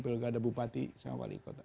pilkada bupati sama wali kota